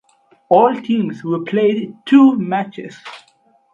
All teams were played two matches.